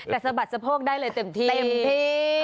แต่สะบัดสะโพกได้เลยเต็มที่เต็มที่